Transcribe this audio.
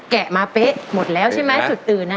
แกะมาเป๊ะหมดละใช่มะสุจรุนอ่ะ